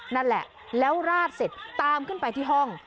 นั่นแหละแล้วราดเสร็จตามขึ้นไปที่ห้อง